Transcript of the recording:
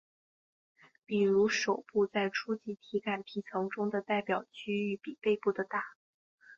比如手部在初级体感皮层中的代表区域比背部的大。